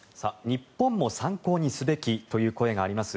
日本も参考にすべきという声があります